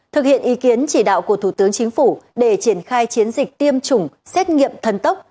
thực hiện ý kiến chỉ đạo của thủ tướng chính phủ để triển khai chiến dịch tiêm chủng xét nghiệm thân tốc